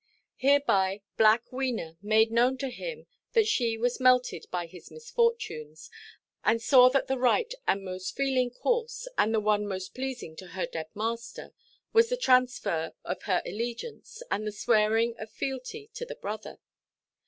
Hereby black Wena made known to him that she was melted by his misfortunes, and saw that the right and most feeling course, and the one most pleasing to her dead master, was the transfer of her allegiance, and the swearing of fealty to the brother.